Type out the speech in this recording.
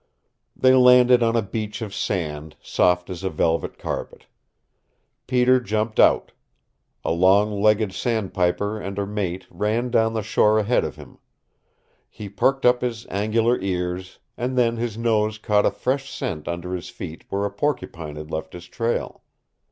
They landed on a beach of sand, soft as a velvet carpet. Peter jumped out. A long legged sandpiper and her mate ran down the shore ahead of him. He perked up his angular ears, and then his nose caught a fresh scent under his feet where a porcupine had left his trail.